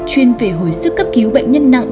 chuyên về hồi sức cấp cứu bệnh nhân nặng